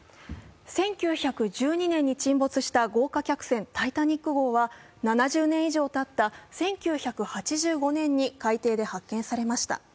１９１２年に沈没した豪華客船「タイタニック」号は７０年以上たった１９８５年に海底で発見されました。